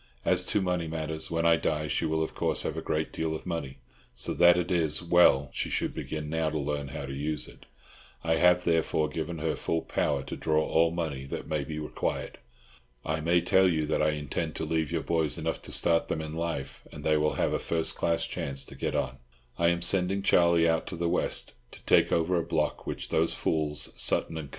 As to money matters, when I die she will of course have a great deal of money, so that it is well she should begin now to learn how to use it; I have, therefore, given her full power to draw all money that may be required. I may tell you that I intend to leave your boys enough to start them in life, and they will have a first class chance to get on. I am sending Charlie out to the West, to take over a block which those fools, Sutton and Co.